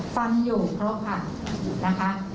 ฟันอยู่ครบค่ะ